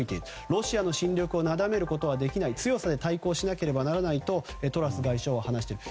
ロシアの侵略をなだめることはできない強さで対抗しなければならないとトラス外相は話している。